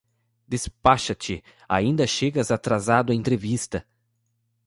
Despacha-te, ainda chegas atrasado à entrevista!